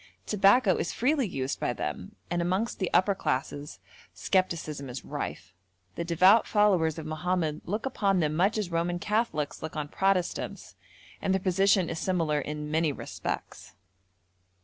Tobacco is freely used by them, and amongst the upper classes scepticism is rife. The devout followers of Mohammed look upon them much as Roman Catholics look on Protestants, and their position is similar in many respects.